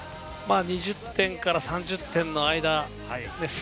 ２０点から３０点の間です。